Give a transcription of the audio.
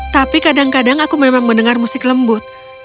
tapi kadang kadang aku memang mendengar musik lembut